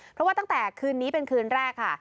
เพราะว่าตั้งแต่คืนนี้เป็นคืนแรกค่ะ